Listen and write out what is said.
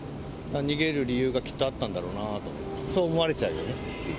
逃げる理由がきっとあったんだろうなと思って、そう思われちゃうよねっていう。